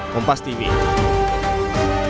akan dugaan ketidakberesan dalam penanganan kasus ini